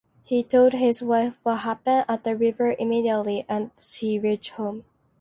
He told his wife what happened at the river immediately as he reached home.